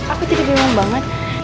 aku jadi bingung banget